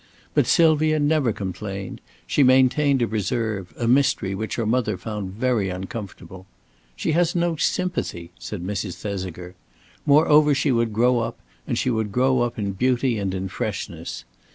But Sylvia never complained; she maintained a reserve, a mystery which her mother found very uncomfortable. "She has no sympathy," said Mrs. Thesiger. Moreover, she would grow up, and she would grow up in beauty and in freshness.